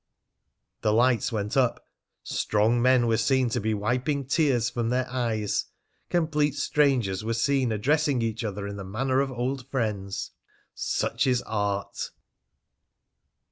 The lights went up. Strong men were seen to be wiping tears from their eyes. Complete strangers were seen addressing each other in the manner of old friends. Such is art!